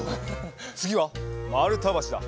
つぎはまるたばしだ。